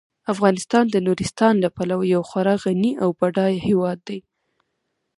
افغانستان د نورستان له پلوه یو خورا غني او بډایه هیواد دی.